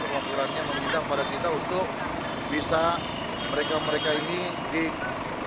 kemampuannya meminta pada kita untuk bisa mereka mereka ini dikonsumsi